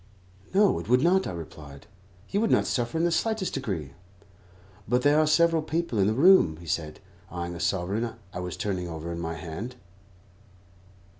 "No, it would not," I replied. "You would not suffer in the slightest degree." "But there are several people in the room," he said, eyeing a sovereign I was turning over in my hand.